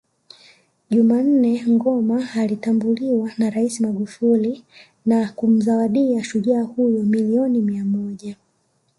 Jumannne Ngoma alitambuliwa na Rais Magufuli na kumzawadia shujaa huyo milioni mia Moja